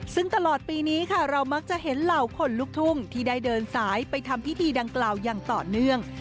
ซึ่งตลอดปีนี้ค่ะเรามักจะเห็นเหล่าคนลุกทุ่งที่ได้เดินสายไปทำพิธีดังกล่าวอย่างต่อเนื่อง